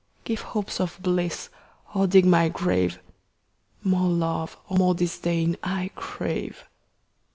10 Give hopes of bliss or dig my grave: More love or more disdain I crave.